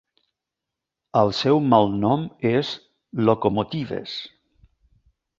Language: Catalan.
El seu malnom és "Locomotives".